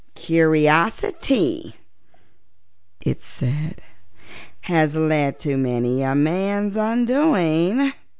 "Curiosity," it said, "has led to many a man's undoing.